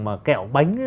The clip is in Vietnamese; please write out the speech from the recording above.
mà kẹo bánh ấy